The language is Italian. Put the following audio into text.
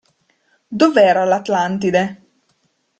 Dov'era l'Atlantide.